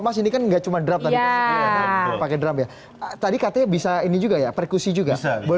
masih dikandungkan cuma drop ya pakai drama tadi katanya bisa ini juga ya periksa juga bisa boleh